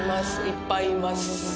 いっぱいいます！